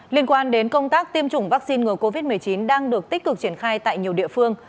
liên quan đến công tác tiêm chủng vaccine ngừa covid một mươi chín đang được tích cực triển khai tại nhiều địa phương